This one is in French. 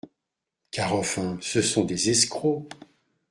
Car enfin, ce sont des escrocs…